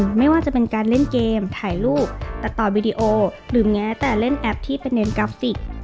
ไม่ว่าจะเป็นการเล่นเกมถ่ายรูปตัดต่อวิดีโอหรือแม้แต่เล่นแอปที่เป็นเน้นกราฟิก